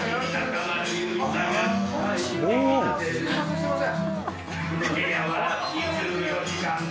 すみません。